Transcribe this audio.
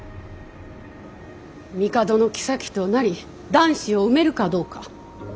帝の后となり男子を産めるかどうか。